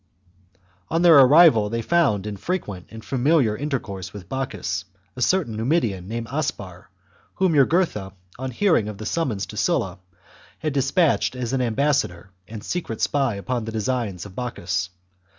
On their arrival they found in frequent and familiar chap. CVIII intercourse with Bocchus a certain Numidian, named Aspar, whom Jugurtha, on hearing of the summons to Sulla, had despatched as an ambassador and secret spy upon the designs of Bocchus.